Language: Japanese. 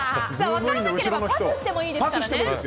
分からなければパスしてもいいですからね。